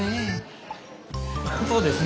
そうですね。